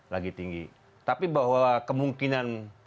lagi tinggi tapi bahwa kemungkinan